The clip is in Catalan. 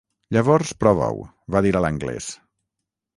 "Llavors prova-ho", va dir a l'anglès.